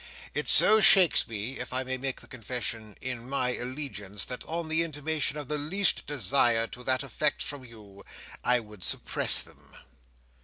It so shakes me, if I may make the confession, in my allegiance, that on the intimation of the least desire to that effect from you, I would suppress them."